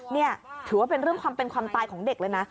นี่ถือว่าเป็นเรื่องความเป็นความตายของเด็กเลยนะ